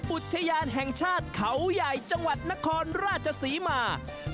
อุทยานแห่งชาติเขาใหญ่จังหวัดนครราชศรีมา